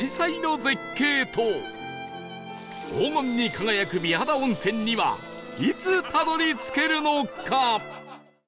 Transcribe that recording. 黄金に輝く美肌温泉にはいつたどり着けるのか？